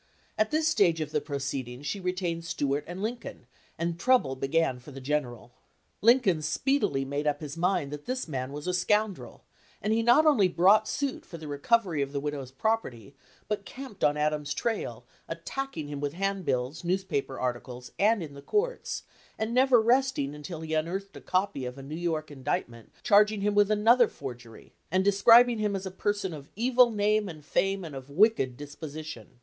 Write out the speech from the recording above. At this stage of the proceedings she retained Stuart & Lincoln, and trouble began for the "general." Lincoln speedily made up his mind that this man was a scoundrel, and he 84 HIS EARLY CASES not only brought suit for the recovery of the widow's property, but camped on Adams's trail, attacking him with handbills, newspaper arti cles, and in the courts, and never resting until he unearthed a copy of a New York indictment charging him with another forgery, and describ ing him as "a person of evil name and fame and of wicked disposition."